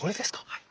はい。